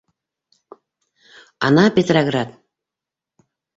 Ана Петроград.